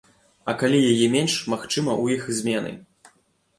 А калі яе менш, магчыма, у іх змены.